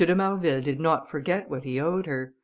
de Marville did not forget what he owed her.